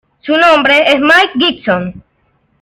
Su nombre es Mike Gibson.